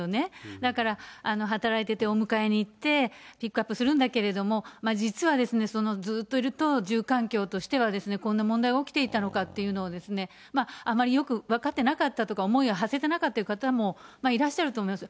だから、働いてて、お迎えに行って、ピックアップするんだけれども、実はずっといると住環境としてはこんな問題が起きていたのかっていうのを、あまりよく分かってなかったとか、思いをはせてなかった方もいらっしゃると思います。